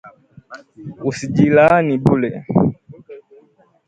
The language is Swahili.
usijilaani bure